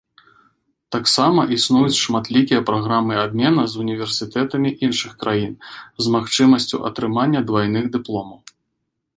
Таксама існуюць шматлікія праграмы абмена с універсітэтамі іншых краін з магчымасцю атрымання двайных дыпломаў.